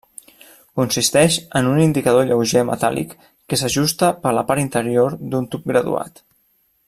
Consisteix en un indicador lleuger metàl·lic que s'ajusta per la part interior d'un tub graduat.